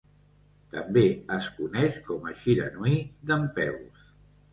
També es coneix com a "shiranui" dempeus.